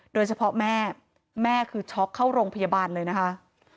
แม่แม่คือช็อกเข้าโรงพยาบาลเลยนะคะ